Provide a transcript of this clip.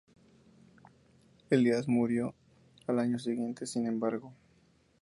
Elías, murió al año siguiente, sin embargo.